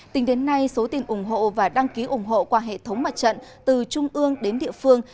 tính đến nay số tiền ủng hộ và đăng ký ủng hộ qua hệ thống mặt trận từ trung ương đến địa phương